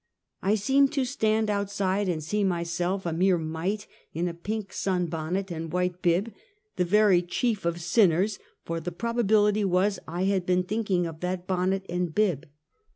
I seemed to stand outside, and see mj^self a mere mite, in a pink sun bonnet and white bib, the very chief of sinners, for the probability was I had been thinking of that bonnet and bib.